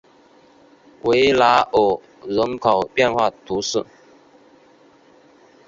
维拉尔人口变化图示